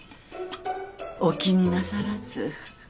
お気になさらず。